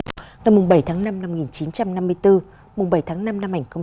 ngày bảy tháng năm năm một nghìn chín trăm năm mươi bốn ngày bảy tháng năm năm một nghìn chín trăm hai mươi bốn